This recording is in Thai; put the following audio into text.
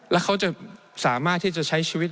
แล้วเขาจะสามารถที่จะใช้ชีวิต